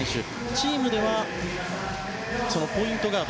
チームではポイントガード。